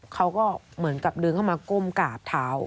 เขาก็เหมือนกับเดินเข้ามาก้มกราบเท้า